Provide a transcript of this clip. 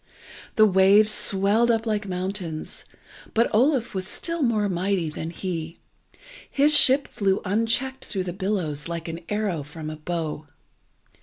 The waves swelled up like mountains, but Oluf was still more mighty than he. His ship flew unchecked through the billows like an arrow from a bow.